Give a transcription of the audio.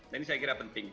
nah ini saya kira penting